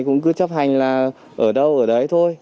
cũng cứ chấp hành là ở đâu ở đấy thôi